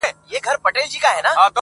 د بېلتون غم مي پر زړه باندي چاپېر سو!.